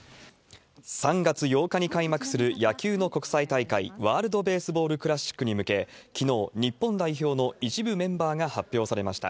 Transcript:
３月８日に開幕する野球の国際大会、ワールドベースボールクラシックに向け、きのう、日本代表の一部メンバーが発表されました。